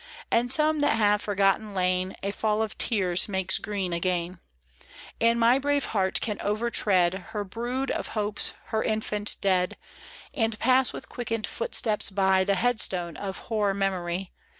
And some that have forgotten lain A fall of tears makes green again ; And my brave heart can overtread Her brood of hopes, her infant dead. And pass with quickened footsteps by The headstone of hoar memory.